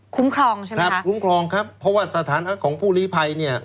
ครองใช่ไหมครับคุ้มครองครับเพราะว่าสถานะของผู้ลีภัยเนี่ย